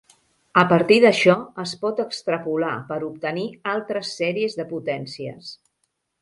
A partir d'això, es pot extrapolar per obtenir altres sèries de potències.